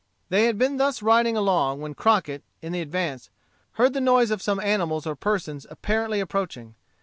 They had been thus riding along when Crockett, in the advance, heard the noise of some animals or persons apparently approaching.